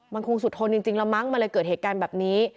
มันคงสุดทนจริงแล้วมั้งมันเลยเกิดเหตุการณ์แบบนี้